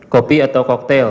kopi atau koktel